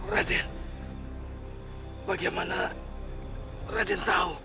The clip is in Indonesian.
raden bagaimana raden tahu